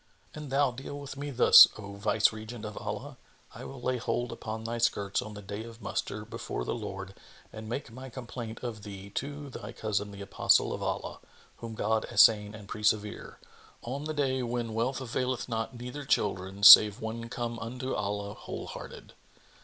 An thou deal with me thus, O Viceregent of Allah, I will lay hold upon thy skirts on the Day of Muster before the Lord and make my complaint of thee to thy cousin the Apostle of Allah (whom God assain and preserve!) on the Day when wealth availeth not neither children save one come unto Allah wholehearted!"